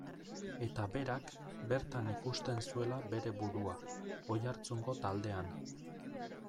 Eta berak, bertan ikusten zuela bere burua, Oiartzungo taldean.